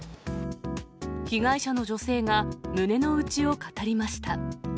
被害者の女性が胸の内を語りました。